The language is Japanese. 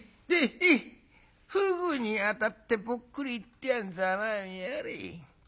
でふぐにあたってぽっくり逝ってざまあみやがれい」。